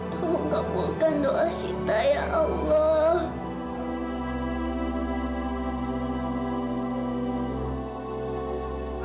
tolong kabulkan doa kita ya allah